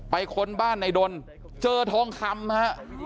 ค้นบ้านในดนเจอทองคำฮะ